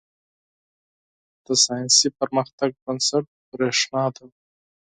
• د ساینسي پرمختګ بنسټ برېښنا ده.